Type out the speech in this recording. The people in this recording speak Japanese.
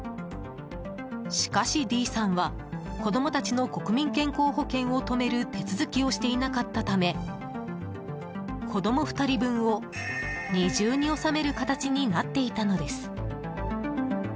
しかし、Ｄさんは子供たちの国民健康保険を止める手続きをしていなかったため子供２人分を二重に納める形になっていたのです。